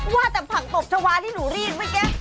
ว่าแต่ผักตบชาวาที่หนูรีดเมื่อกี้